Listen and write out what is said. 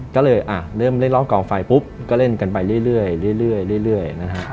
ก็เลยเริ่มเล่นรอบกองไฟปุ๊บก็เล่นกันไปเรื่อยนะฮะ